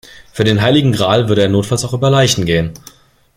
Für den heiligen Gral würde er notfalls auch über Leichen gehen.